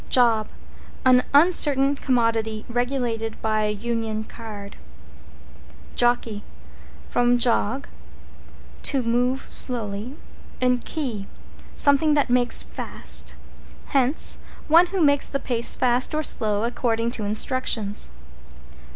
=JOB= An uncertain commodity regulated by a Union Card. =JOCKEY= From jog, to move slowly, and key, something that makes fast. Hence, one who makes the pace fast or slow, according to instructions.